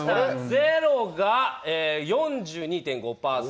０が４２．５％。